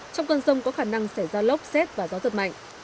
trong cơn sông có khả năng sẽ ra lốc xét và gió giật mạnh